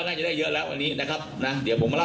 น่าจะได้เยอะแล้ววันนี้นะครับนะเดี๋ยวผมมาเล่า